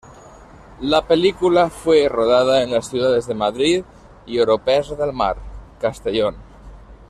La película fue rodada en las ciudades de Madrid y Oropesa del Mar, Castellón.